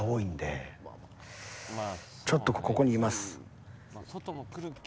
ちょっとここにいます。